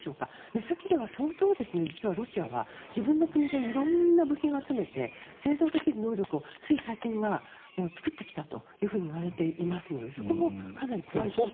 目先では相当、実はロシアは自分の国でいろんな部品を集めて製造できる能力をつい最近は作ってきたといわれていますのでそこもかなり怖いと思います。